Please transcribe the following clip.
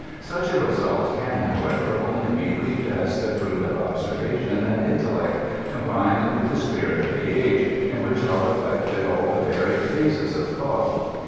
Such a result can, however, only be reaped as the ^it of observation and intel lect, combined with the spirit of the age, in which are reflect ed all the varied phases of thought.